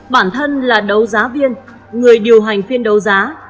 bản thân là đấu giá viên người điều hành phiên đấu giá